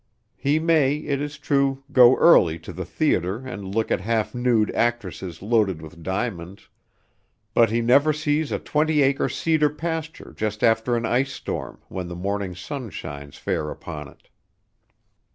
He may, it is true, go early to the theatre and look at half nude actresses loaded with diamonds, but he never sees a twenty acre cedar pasture just after an ice storm when the morning sun shines fair upon it!